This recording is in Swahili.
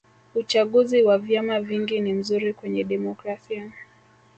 uchaguzi wa vyama vingi ni mzuri kwenye demokrasia